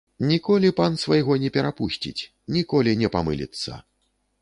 Ніколі пан свайго не перапусціць, ніколі не памыліцца.